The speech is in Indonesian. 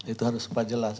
itu harus sempat jelas